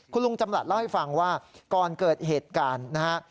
คุณลุงจำหลัดเล่าให้ฟังว่าก่อนเกิดเหตุการณ์นะฮะ